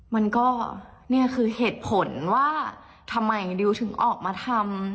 มันก็เนี่ยคือเหตุผลว่าทำไมดิวถึงออกมาทำ